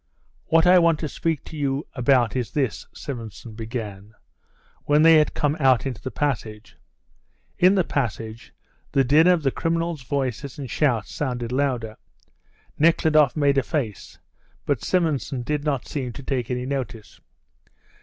"What I want to speak to you about is this," Simonson began, when they had come out into the passage. In the passage the din of the criminal's voices and shouts sounded louder. Nekhludoff made a face, but Simonson did not seem to take any notice.